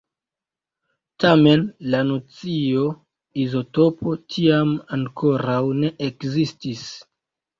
Tamen la nocio "izotopo" tiam ankoraŭ ne ekzistis.